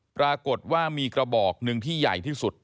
ปรากฏว่ามีกระบอกหนึ่งที่ใหญ่ที่สุด